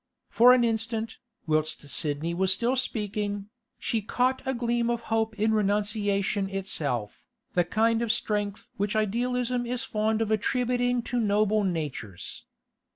For an instant, whilst Sidney was still speaking, she caught a gleam of hope in renunciation itself, the kind of strength which idealism is fond of attributing to noble natures.